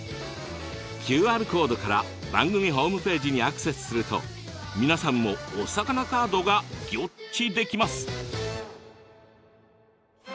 ＱＲコードから番組ホームページにアクセスすると皆さんもお魚カードがギョっちできます。